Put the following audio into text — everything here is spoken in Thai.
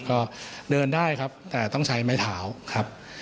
ก็เดินได้ครับแต่ต้องใช้ไม้เท้าครับ